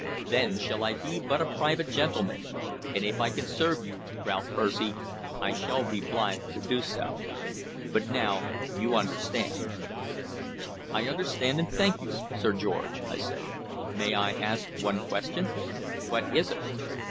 Then shall I be but a private gentleman, and if I can serve you, Ralph Percy, I shall be blithe to do so; but now, you understand" "I understand, and thank you, Sir George," I said. "May I ask one question?" "What is it?"